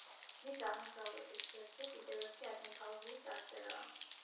მის აღმოსავლეთით სვეტზე კიდევ ერთი ასომთავრული წარწერაა.